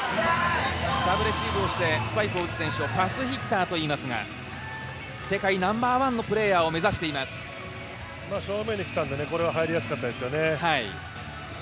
サーブレシーブをしてスパイクを打つ選手をパスヒッターといいますが、世界ナンバーワンのプレーヤーを正面に来たのでこれは入りやすかったですよね。